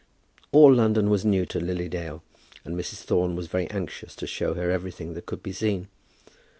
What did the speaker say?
All London was new to Lily Dale, and Mrs. Thorne was very anxious to show her everything that could be seen.